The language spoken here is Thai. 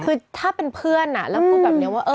คือถ้าเป็นเพื่อนแล้วพูดแบบนี้ว่า